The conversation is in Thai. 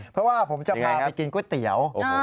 เพราะว่าผมจะพาไปกินก๋วยเตี๋ยว